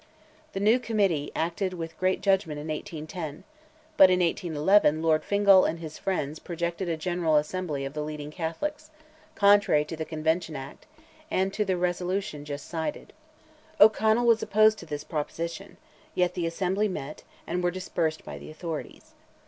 The new Committee acted with great judgment in 1810, but in 1811 Lord Fingal and his friends projected a General Assembly of the leading Catholics, contrary to the Convention Act, and to the resolution just cited. O'Connell was opposed to this proposition; yet the assembly met, and were dispersed by the authorities.